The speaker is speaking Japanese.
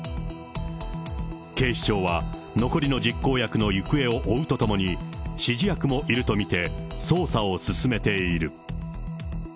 警視庁は残りの実行役の行方を追うとともに、指示役もいると見て捜査を進めている。